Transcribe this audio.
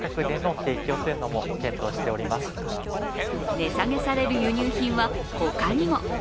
値下げされる輸入品は他にも。